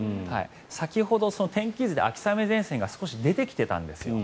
先ほど天気図で秋雨前線が少し出てきてたんですよ。